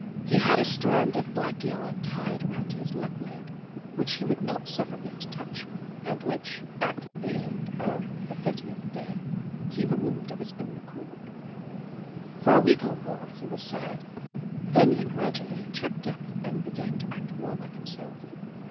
He had a strand of black yarn tied around his left leof which he would not suffer me to touch, and which, at the end of the thirtieth day, he removed of his own accord. For a week or more he was sad, then he gradually chirked up and began to act more like himself.